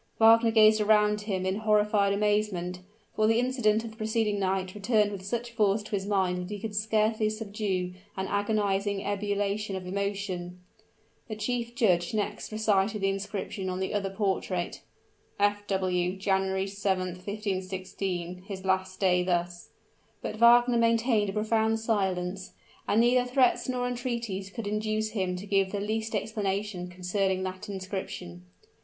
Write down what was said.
Wagner gazed around him in horrified amazement, for the incident of the preceding night returned with such force to his mind that he could scarcely subdue an agonizing ebullition of emotion. The chief judge next recited the inscription on the other portrait: "F. W. January 7th, 1516. His last day thus." But Wagner maintained a profound silence, and neither threats nor entreaties could induce him to give the least explanation concerning that inscription.